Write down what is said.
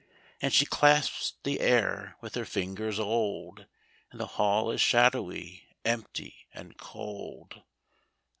And she clasps the air with her fingers old, And the hall is shadowy, empty and cold.